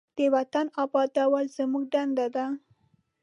د وطن آبادول زموږ دنده ده.